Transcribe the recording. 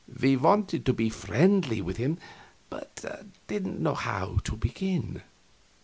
We wanted to be friendly with him, but didn't know how to begin.